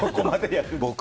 僕？